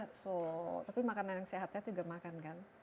bakso tapi makanan yang sehat saya juga makan kan